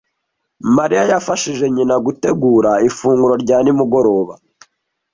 Mariya yafashije nyina gutegura ifunguro rya nimugoroba.